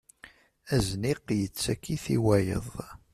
Azniq yettak-it i wayeḍ.